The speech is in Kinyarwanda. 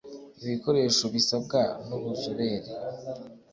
ibikoresho bisabwa n ubuzobere